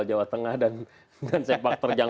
jawa tengah dan sepak terjang